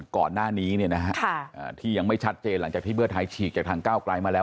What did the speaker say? ก่อนหน้านี้ที่ยังไม่ชัดเจนหลังจากที่เพื่อไทยฉีกจากทางก้าวไกลมาแล้ว